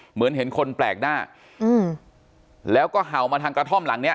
เหมือนเห็นคนแปลกหน้าอืมแล้วก็เห่ามาทางกระท่อมหลังเนี้ย